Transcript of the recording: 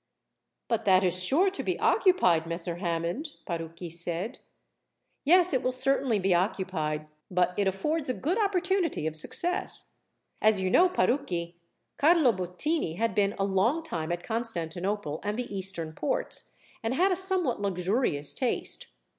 "But that is sure to be occupied, Messer Hammond," Parucchi said. "Yes, it will be certainly be occupied; but it affords a good opportunity of success. As you know, Parucchi, Carlo Bottini had been a long time at Constantinople and the Eastern ports, and had a somewhat luxurious taste.